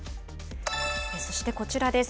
そしてこちらです。